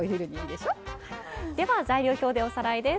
材料表でおさらいです。